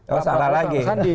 oh salah lagi